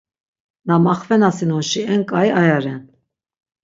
Na maxvenasinonşi en ǩai aya ren.